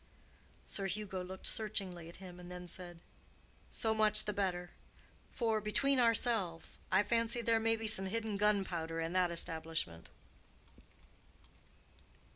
Sir Hugo looked searchingly at him, and then said, "So much the better. For, between ourselves, I fancy there may be some hidden gunpowder in that establishment."